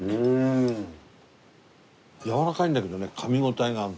やわらかいんだけどね噛み応えがあるの。